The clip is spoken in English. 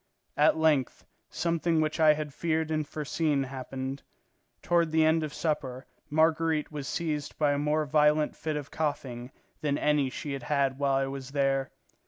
At length, something which I had feared and foreseen happened. Toward the end of supper Marguerite was seized by a more violent fit of coughing than any she had had while I was there.